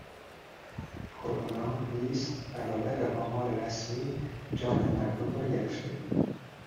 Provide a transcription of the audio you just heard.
کرونا لیست برابر آمار رسمی جان مردم را گرفته